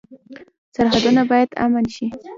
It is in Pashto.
سرحدونه باید امن شي